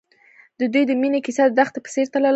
د دوی د مینې کیسه د دښته په څېر تلله.